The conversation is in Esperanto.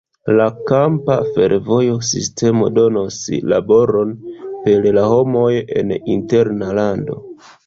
La kampa fervojo sistemo donos laboron per la homoj en interna lando.